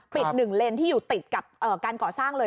ปิด๑เลนที่อยู่ติดกับการเกาะสร้างเลย